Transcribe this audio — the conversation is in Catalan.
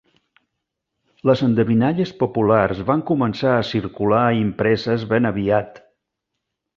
Les endevinalles populars van començar a circular impreses ben aviat.